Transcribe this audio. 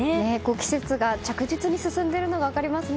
季節が着実に進んでいるのが分かりますね。